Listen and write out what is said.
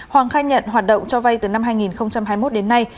hoàng khai nhận hoạt động cho vay từ năm hai nghìn hai mươi một đến nay